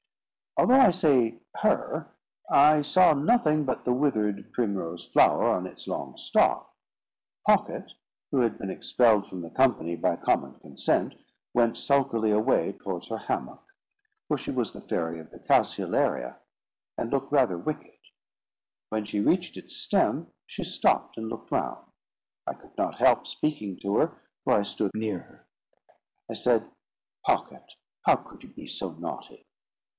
Although I say her I saw nothing but the withered primrose flower on its long stalk. Pocket, who had been expelled from the company by common consent, went sulkily away towards her hammock, for she was the fairy of the calceolaria, and looked rather wicked. When she reached its stem, she stopped and looked round. I could not help speaking to her, for I stood near her. I said, "Pocket, how could you be so naughty?"